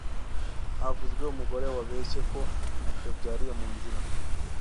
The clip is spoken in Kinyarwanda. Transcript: havuzwe umugore wabeshye ko yabyariye mu nzira